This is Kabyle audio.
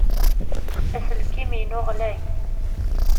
Aselkim-inu ɣlay.